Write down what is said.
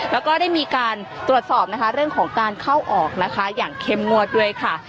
แล้วก็ได้มีการตรวจสอบนะคะเรื่องของการเข้าออกนะคะอย่างเข้มงวดด้วยค่ะ